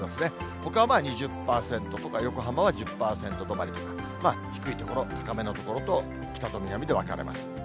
ほかは２０％とか、横浜は１０％止まりとか、低い所、高めの所と、北と南で分かれます。